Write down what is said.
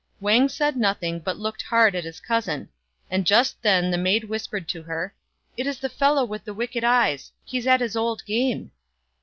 Wang said nothing, but looked hard at his cousin ; and just then the maid whispered to her, " It is the fellow with the wicked eyes ! He's at his old game.